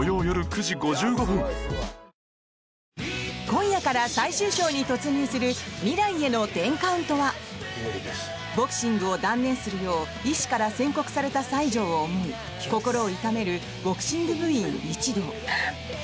今夜から最終章に突入する「未来への１０カウント」はボクシングを断念するよう医師から宣告された西条を思い心を痛めるボクシング部員一同。